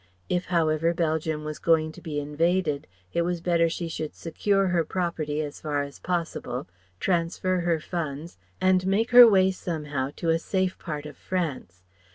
If however Belgium was going to be invaded it was better she should secure her property as far as possible, transfer her funds, and make her way somehow to a safe part of France.